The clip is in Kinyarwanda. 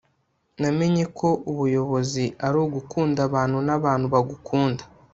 namenye ko ubuyobozi ari ugukunda abantu n'abantu bagukunda